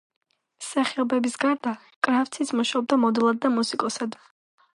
მსახიობობის გარდა, კრავციც მუშაობდა მოდელად და მუსიკოსად.